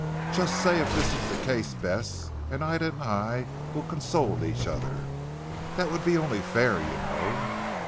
Just say if this is the case Bess and Ida and I will console each other! That would be only fair, you know!"